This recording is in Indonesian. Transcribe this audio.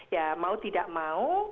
ya mau tidak mau